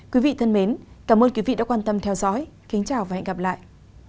quý vị thân mến cảm ơn quý vị đã quan tâm theo dõi kính chào và hẹn gặp lại